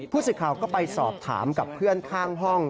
ผู้สื่อข่าวก็ไปสอบถามกับเพื่อนข้างห้อง